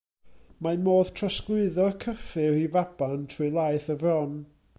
Mae modd trosglwyddo'r cyffur i faban trwy laeth y fron.